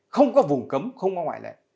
không có vùng cấm không có ngoại lệ